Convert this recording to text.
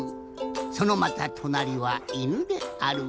そのまたとなりはいぬである。